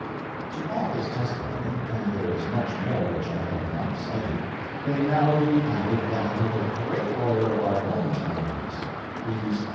To all this testimony (and there is much more which I have not cited) may now be added that of a great lawyer of our own times, viz.